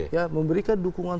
ya memberikan dukungan